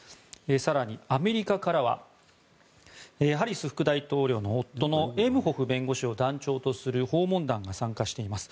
更に、アメリカからはハリス副大統領の夫のエムホフ弁護士を団長とする訪問団に参加しています